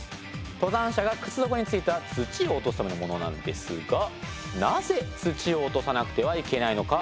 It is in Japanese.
登山者が靴底に付いた土を落とすためのものなんですがなぜ土を落とさなくてはいけないのか。